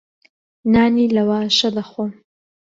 نانی لەواشە دەخۆم.